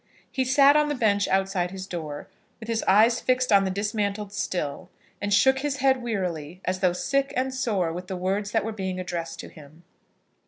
He sat on the bench outside his door, with his eyes fixed on the dismantled mill, and shook his head wearily, as though sick and sore with the words that were being addressed to him.